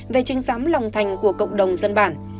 về chứng giám lòng thành của cộng đồng dân bản